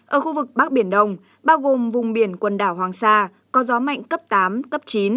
ở khu vực bắc biển đông bao gồm vùng biển quần đảo hoàng sa có gió mạnh cấp tám cấp chín